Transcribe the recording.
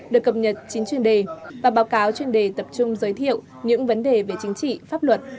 được cập nhật chín chuyên đề và báo cáo chuyên đề tập trung giới thiệu những vấn đề về chính trị pháp luật